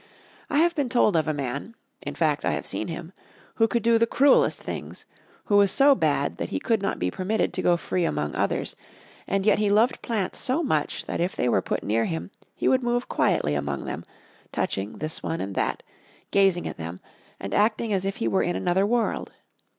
I have been told of a man in fact I have seen him who could do the cruelest things; who was so bad that he could not be permitted to go free among others, and yet he loved plants so much that if they were put near him he would move quietly among them, touching this one and that; gazing at them, and acting as if he were in another world.